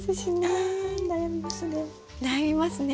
あ悩みますね。